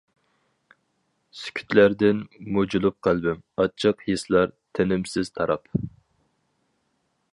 سۈكۈتلەردىن مۇجۇلۇپ قەلبىم، ئاچچىق ھېسلار تىنىمسىز تاراپ.